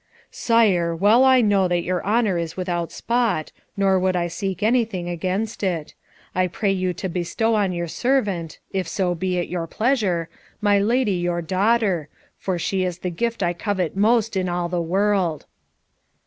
"Sire, well I know that your honour is without spot, nor would I seek anything against it. I pray you to bestow on your servant if so it be your pleasure my lady your daughter, for she is the gift I covet most in all the world."